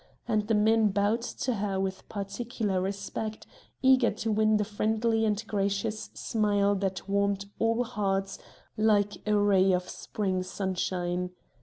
And the men bowed to her with particular respect, eager to win the friendly and gracious smile that warmed all hearts like a ray of spring sunshine.